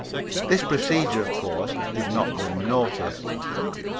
This procedure, of course, did not go unnoticed.